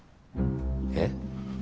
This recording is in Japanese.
えっ？